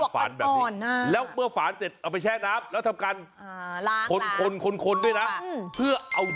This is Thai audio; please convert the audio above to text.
ฝานแล้วเมื่อฝานเสร็จเขาไปแช่น้ำ